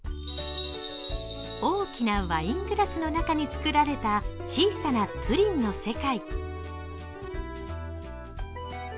大きなワイングラスの中に作られた小さなプリンの世界。